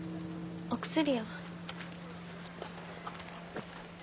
お薬を。